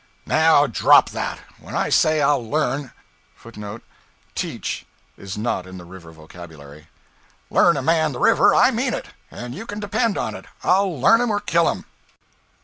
'Now drop that! When I say I'll learn {footnote ['Teach' is not in the river vocabulary.]} a man the river, I mean it. And you can depend on it, I'll learn him or kill him.'